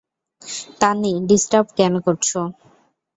তানি, disturb কেন করছ?